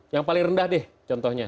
yang paling rendah deh contohnya